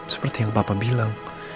seperti yang papa bilang